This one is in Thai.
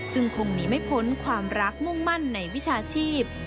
ซึ่งคงหนีไม่พ้นความรักมุ่งมั่นในวิชาชีพ